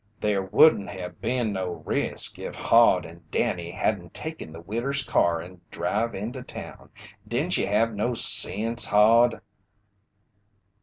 "There wouldn't have been no risk, if Hod and Danny hadn't taken the widder's car and drive into town. Didn't ye have no sense, Hod?"